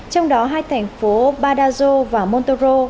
trong đó hai thành phố badajo và montoro